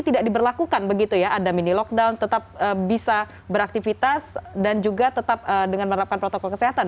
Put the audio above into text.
tidak diberlakukan begitu ya ada mini lockdown tetap bisa beraktivitas dan juga tetap dengan menerapkan protokol kesehatan